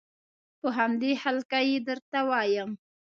په همدې هلکه یې درته وایم.